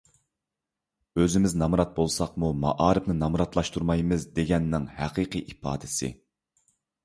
ئۆزىمىز نامرات بولساقمۇ مائارىپنى نامراتلاشتۇرمايمىز دېگەننىڭ ھەقىقىي ئىپادىسى